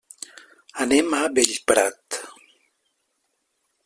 Anem a Bellprat.